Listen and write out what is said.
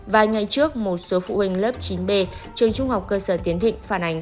vài ngày trước một số phụ huynh lớp chín b trường trung học cơ sở tiến thịnh phản ánh